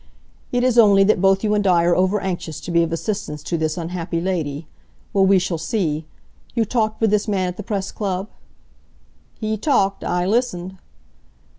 "It is only that both you and I are over anxious to be of assistance to this unhappy lady. Well, we shall see. You talked with this man at the Press Club?" "He talked. I listened."